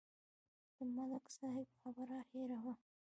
د ملک صاحب خبره هېره وه.